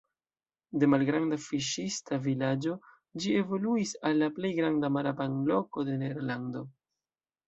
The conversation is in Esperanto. De malgranda fiŝista vilaĝo ĝi evoluis al la plej granda mara banloko de Nederlando.